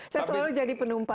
saya selalu jadi penumpang